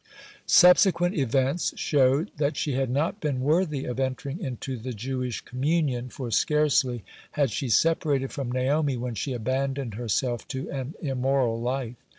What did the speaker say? Subsequent events showed that she had not been worthy of entering into the Jewish communion, for scarcely had she separated from Naomi when she abandoned herself to an immoral life.